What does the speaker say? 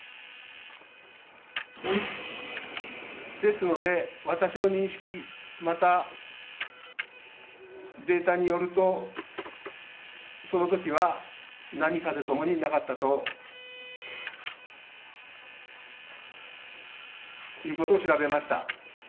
ですので、私の認識また、データによるとその時は波、風ともになかったということを調べました。